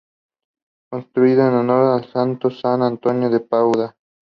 Construido en honor al santo San Antonio de Padua.